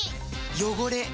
汚れ。